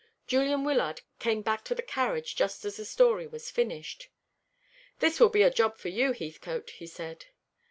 Julian Wyllard came back to the carriage just as the story was finished. "This will be a job for you, Heathcote," he said.